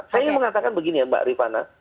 saya ingin mengatakan begini ya mbak rifana